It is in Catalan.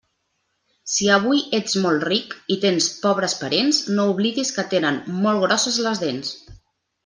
Si avui ets molt ric, i tens pobres parents, no oblidis que tenen molt grosses les dents.